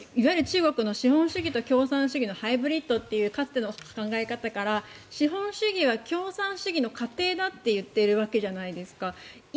それで今、言っているのが中国の資本主義と共産主義のハイブリットというかつての考え方から資本主義は共産主義の過程だと言っているわけじゃないですか。